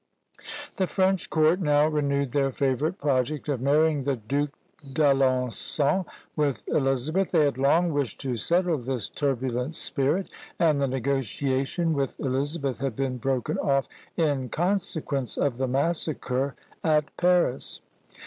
The French court now renewed their favourite project of marrying the Duke d'Alençon with Elizabeth. They had long wished to settle this turbulent spirit, and the negotiation with Elizabeth had been broken off in consequence of the massacre at Paris.